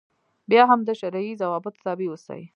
بیا هم د شرعي ضوابطو تابع اوسي.